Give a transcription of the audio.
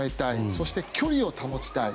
そして距離を保ちたい。